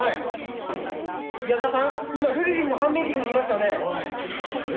今ルリリンのファンミーティングにいますよね！？